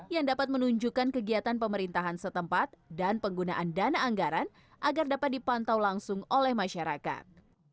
yang dapat menunjukkan kegiatan pemerintahan setempat dan penggunaan dana anggaran agar dapat dipantau langsung oleh masyarakat